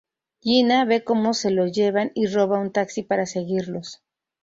Gina ve cómo se lo llevan y roba un taxi para seguirlos.